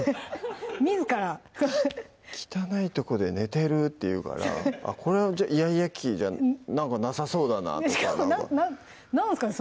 みずから「汚いとこで寝てる」って言うからこれはイヤイヤ期じゃなんかなさそうだなとかなんすかね